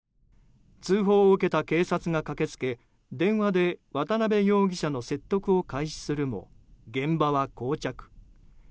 通報を受けた警察が駆け付け電話で渡邊容疑者の説得を開始するも現場は膠着。